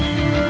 aku akan menang